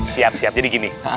siap siap jadi gini